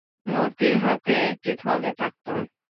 মূর্তির হাতে একটি থলে থাকত।